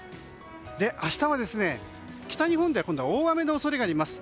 明日は北日本で大雨の恐れがあります。